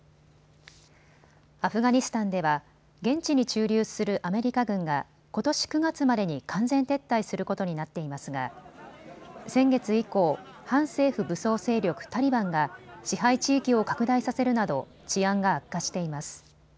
アフガニスタンでは現地に駐留するアメリカ軍がことし９月までに完全撤退することになっていますが先月以降、反政府武装勢力タリバンが支配地域を拡大させるなど治安が悪化しています。